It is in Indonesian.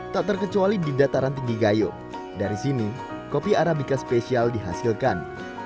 tak terkecuali di dataran tinggi gayo dari sini kopi arabica spesial dihasilkan